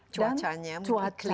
cuacanya mungkin kliniknya